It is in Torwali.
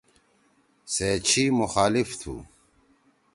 سے چھی مخالف تُھو۔